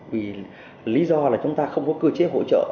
vì lý do là chúng ta không có cơ chế hỗ trợ